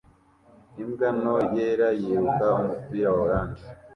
Imbwa nto yera yiruka umupira wa orange